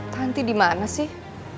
tanti di mana sih